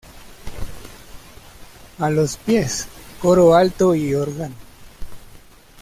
A los pies, coro alto y órgano.